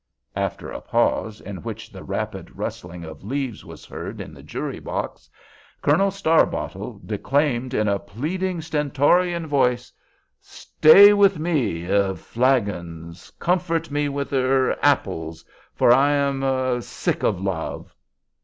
After a pause, in which the rapid rustling of leaves was heard in the jury box, Colonel Starbottle declaimed in a pleading, stentorian voice, "'Stay me with —er—flagons, comfort me with—er—apples—for I am—er—sick of love.